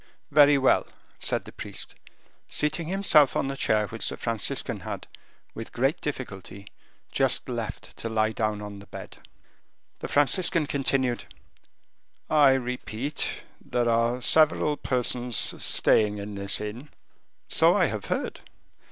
"Very well," said the priest, seating himself on the chair which the Franciscan had, with great difficulty, just left, to lie down on the bed. The Franciscan continued, "I repeat, there are several persons staying in this inn." "So I have heard."